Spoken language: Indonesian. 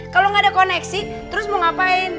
kalau nggak ada koneksi terus mau ngapain